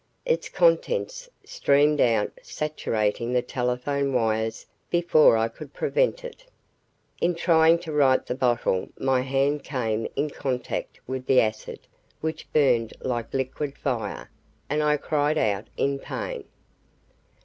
Its contents streamed out saturating the telephone wires before I could prevent it. In trying to right the bottle my hand came in contact with the acid which burned like liquid fire, and I cried out in pain.